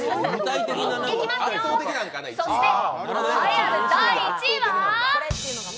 いきますよ、そして栄えある第１位は？